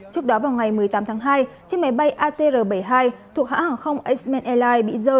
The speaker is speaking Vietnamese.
trước đó vào ngày một mươi tám tháng hai chiếc máy bay atr bảy mươi hai thuộc hãng hàng không asman airlines bị rơi